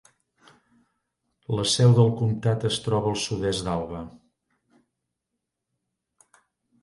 La seu del comtat es troba al sud-est d'Alva.